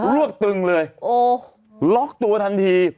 วกตึงเลยล็อกตัวทันที